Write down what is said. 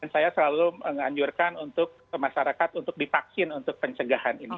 saya selalu menganjurkan untuk masyarakat untuk divaksin untuk pencegahan ini